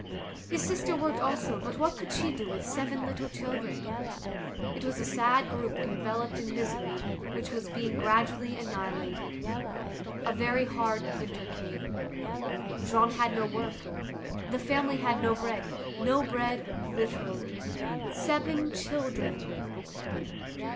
His sister worked also but what could she do with seven little children? It was a sad group enveloped in misery, which was being gradually annihilated. A very hard winter came. Jean had no work. The family had no bread. No bread literally. Seven children!